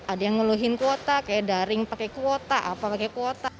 ada yang ngeluhin kuota kayak daring pakai kuota apa pakai kuota